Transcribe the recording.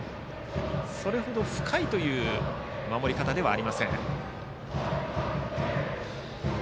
それほど深いという守り方ではありません。